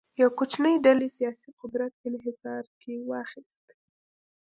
یوه کوچنۍ ډلې سیاسي قدرت انحصار کې واخیست.